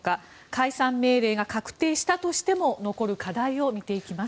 解散命令が確定したとしても残る課題を見ていきます。